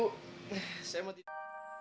udah deh ibu